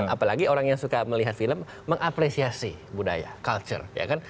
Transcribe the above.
apalagi orang yang suka melihat film mengapresiasi budaya culture